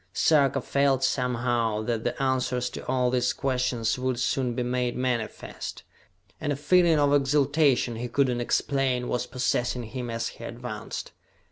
Sarka felt, somehow, that the answers to all these questions would soon be made manifest, and a feeling of exaltation he could not explain was possessing him as he advanced.